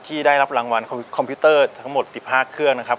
ได้รับรางวัลคอมพิวเตอร์ทั้งหมด๑๕เครื่องนะครับ